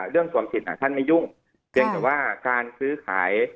เรื่องความผิดท่านไม่ยุ่งเพียงแต่ว่าการซื้อขาย